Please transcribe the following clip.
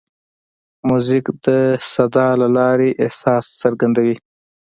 موزیک د صدا له لارې احساس څرګندوي.